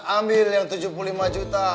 ambil yang tujuh puluh lima juta